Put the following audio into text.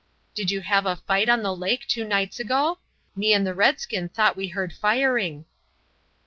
"Did you have a fight on the lake two nights ago? Me and the redskin thought we heard firing."